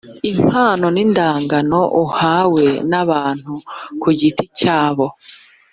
Impano n indagano uhawe n abantu ku giti cyabo